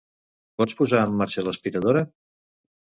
Pots posar en marxa l'aspiradora?